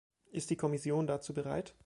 Ist die Kommission dazu bereit?